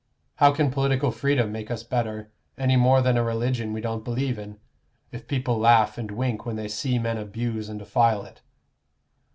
How can political freedom make us better, any more than a religion we don't believe in, if people laugh and wink when they see men abuse and defile it?